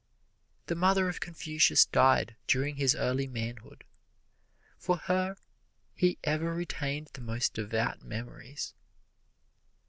The mother of Confucius died during his early manhood. For her he ever retained the most devout memories.